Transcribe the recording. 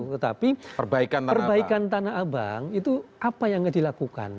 tetapi perbaikan tanah abang itu apa yang dilakukan